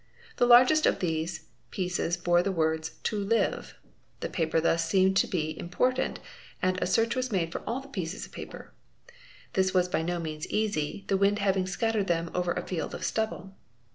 The largest of these pieces bore the words "to live'. The paper thus seemed to be important and a search was made for all the pieces of paper. This was by no means easy, the wind having scattered them over a field of stubble.